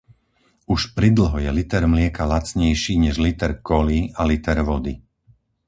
Už pridlho je liter mlieka lacnejší než liter koly a liter vody.